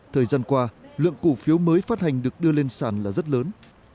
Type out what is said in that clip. thời gian qua lượng cổ phiếu mới phát hành được đưa lên sàn là rất lớn